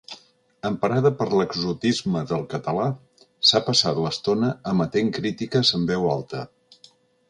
Emparada per l'exotisme del català, s'ha passat l'estona emetent crítiques en veu alta.